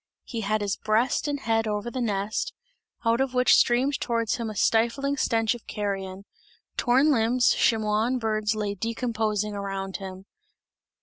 He had his breast and head over the nest, out of which streamed towards him a stifling stench of carrion; torn lambs, chamois and birds lay decomposing around him.